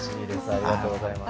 ありがとうございます。